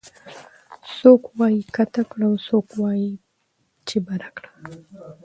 څوک وايي کته کړه او څوک وايي چې بره کړه